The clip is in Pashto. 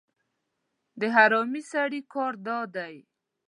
د حرامي سړي کار دا دی